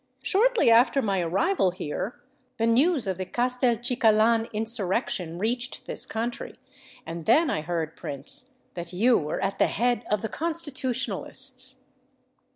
Shortly after my arrival here, the news of the Castelcicalan insurrection reached this country; and then I heard, Prince, that you were at the head of the Constitutionalists."